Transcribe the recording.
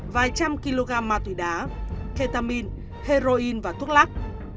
vài trăm kg ma túy đá ketamine heroin và thuốc lắc